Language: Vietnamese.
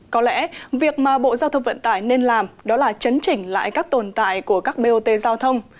có lẽ việc mà bộ giao thông vận tải nên làm đó là chấn chỉnh lại các tồn tại của các bot giao thông